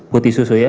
putih susu ya